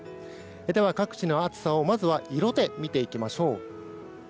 では、各地の暑さを色で見ていきましょう。